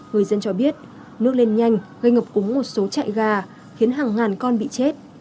người dân cho biết nước lên nhanh gây ngập úng một số chạy gà khiến hàng ngàn con bị chết